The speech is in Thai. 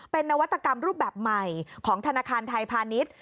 เป็นนวัตกรรมรูปแบบใหม่ของธนาคารไทยพาณิชย์